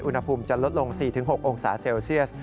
อุณหภูมิจะลดลง๔๖องศาเซลเซียส